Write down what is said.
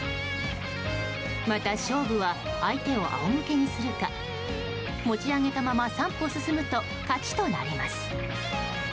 また勝負は相手を仰向けにするか持ち上げたまま３歩進むと勝ちとなります。